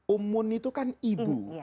ummun itu kan ibu